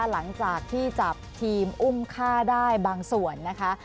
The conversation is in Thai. หลังจากที่จับทีมอุ้มฆ่าได้บางส่วนนะคะ